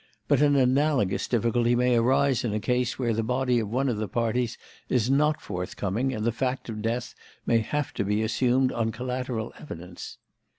But an analogous difficulty may arise in a case where the body of one of the parties is not forthcoming, and the fact of death may have to be assumed on collateral evidence.